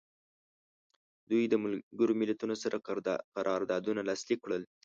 دوی د ملګرو ملتونو سره قراردادونه لاسلیک کړل.